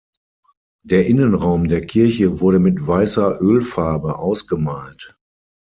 Der Innenraum der Kirche wurde mit weißer Ölfarbe ausgemalt.